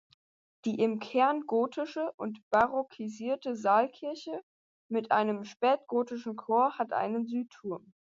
Die im Kern gotische und barockisierte Saalkirche mit einem spätgotischen Chor hat einen Südturm.